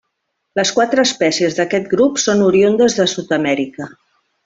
Les quatre espècies d'aquest grup són oriündes de Sud-amèrica.